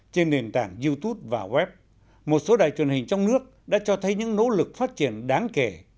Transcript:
trên nền tảng youtube và web một số đài truyền hình trong nước đã cho thấy những nỗ lực phát triển đáng kể